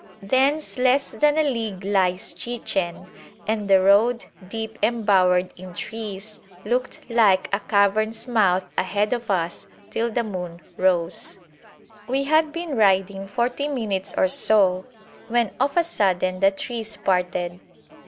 Thence less than a league lies Chichen, and the road, deep embowered in trees, looked like a cavern's mouth ahead of us till the moon rose. We had been riding forty minutes or so, when of a sudden the trees parted.